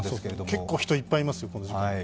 結構、人、いっぱいいますよ、この時間。